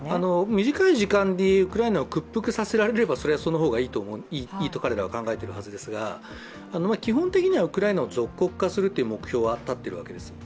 短い時間でウクライナを屈服させられればその方がいいと考えていると思いますが基本的にはウクライナを属国化するという目標は立っているわけです。